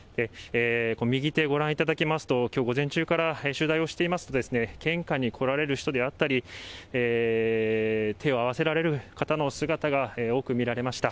右手、ご覧いただきますと、きょう午前中から取材をしていますと、献花に来られる人であったりとか、手を合わせられる方の姿が多く見られました。